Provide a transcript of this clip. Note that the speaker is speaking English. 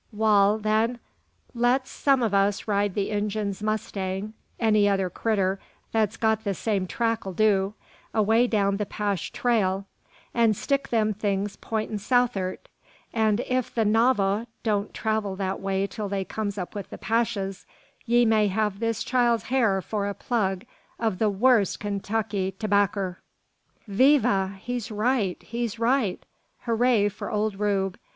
"Wal, then, let some o' us ride the Injun's mustang: any other critter thet's got the same track 'll do; away down the 'Pash trail, an' stick them things pointin' south'art; an' if the Navagh don't travel that a way till they comes up with the 'Pashes, 'ee may have this child's har for a plug o' the wust Kaintucky terbaccer." "Viva!" "He's right, he's right!" "Hooraw for old Rube!"